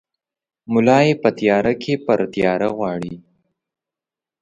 ملا ېې په تیاره کې پر تیاره غواړي!